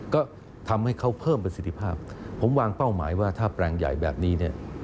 ก็ทำให้เขาเพิ่มประสิทธิภาพผมวางเป้าหมายว่าถ้าแปลงใหญ่แบบนี้เนี่ย